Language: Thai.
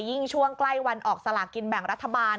ช่วงใกล้วันออกสลากินแบ่งรัฐบาล